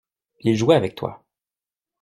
Il jouait avec toi.